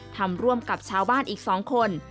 ทำร่วมกับชาวบ้านอีก๒คน